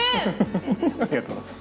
フフフありがとうございます。